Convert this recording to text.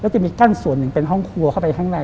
แล้วจะมีกั้นส่วนหนึ่งเป็นห้องครัวเข้ามาเข้านให้